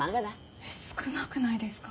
えっ少なくないですか？